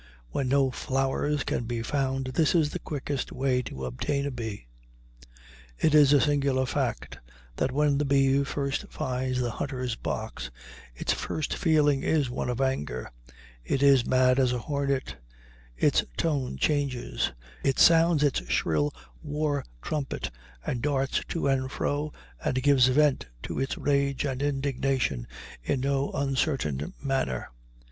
When no flowers can be found, this is the quickest way to obtain a bee. It is a singular fact that when the bee first finds the hunter's box, its first feeling is one of anger; it is as mad as a hornet; its tone changes, it sounds its shrill war trumpet and darts to and fro, and gives vent to its rage and indignation in no uncertain manner.